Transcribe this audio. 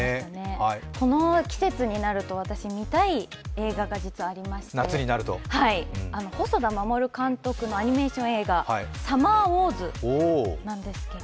この季節になると私、見たい映画がありまして細田守監督のアニメーション映画、「サマーウォーズ」なんですけど。